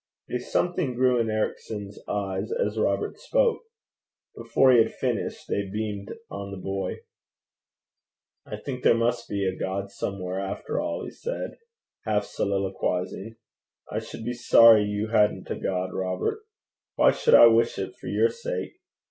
A something grew in Ericson's eyes as Robert spoke. Before he had finished, they beamed on the boy. 'I think there must be a God somewhere after all,' he said, half soliloquizing. 'I should be sorry you hadn't a God, Robert. Why should I wish it for your sake?